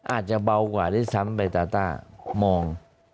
อาจจะเบากว่าด้วยซ้ำไปตาต้ามอง